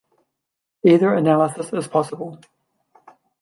Either analysis is possible.